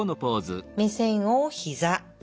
目線をひざ。